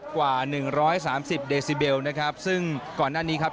กว่าหนึ่งร้อยสามสิบเดซิเบลนะครับซึ่งก่อนหน้านี้ครับ